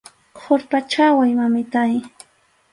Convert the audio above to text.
Qurpachaway, mamitáy.